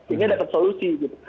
ini dapat solusi gitu